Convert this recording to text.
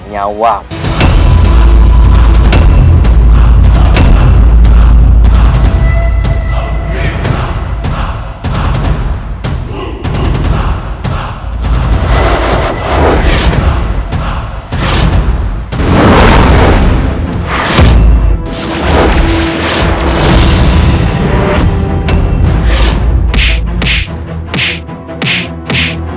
ya allah semoga kakinya tidak ada apa apa